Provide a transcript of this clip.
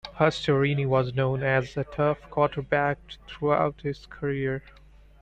Pastorini was known as a tough quarterback throughout his career.